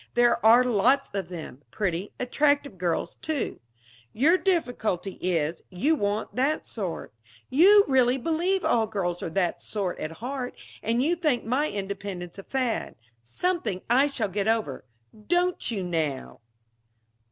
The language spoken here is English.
There are lots of them. Pretty, attractive girls, too. Your difficulty is, you want that sort. You really believe all girls are that sort at heart, and you think my independence a fad something I shall get over. Don't you, now?"